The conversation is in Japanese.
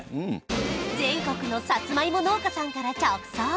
全国のサツマイモ農家さんから直送！